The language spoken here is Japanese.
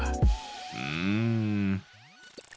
うん。